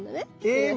え